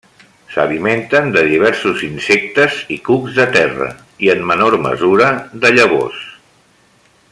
S'alimenten de diversos insectes i cucs de terra, i en menor mesura de llavors.